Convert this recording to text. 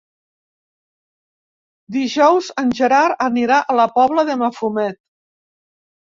Dijous en Gerard anirà a la Pobla de Mafumet.